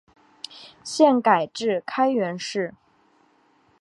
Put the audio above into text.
现改置开原市。